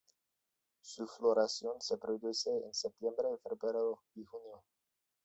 Su floración se produce en sep–feb, y jun.